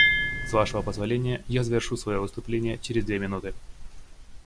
С Вашего позволения, я завершу свое выступление через две минуты.